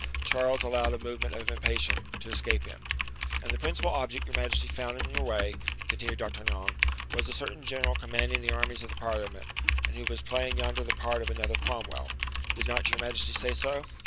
Charles allowed a movement of impatience to escape him. "And the principal object your majesty found in your way," continued D'Artagnan, "was a certain general commanding the armies of the parliament, and who was playing yonder the part of another Cromwell. Did not your majesty say so?"